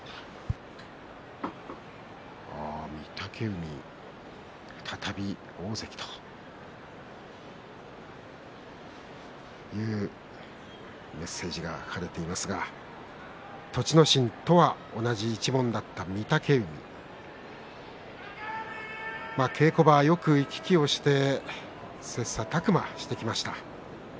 御嶽海、再び大関というメッセージが書かれていますが栃ノ心と同じ一門だった御嶽海稽古場は、よく行き来して切さたく磨してきました。